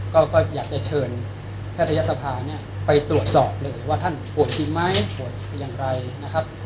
ก็อยากจะเชิญแพทยศภาเนี่ยไปตรวจสอบเลยว่าท่านป่วยจริงไหมปวดอย่างไรนะครับ